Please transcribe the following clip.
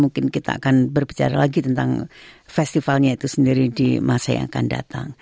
mungkin kita akan berbicara lagi tentang festivalnya itu sendiri di masa yang akan datang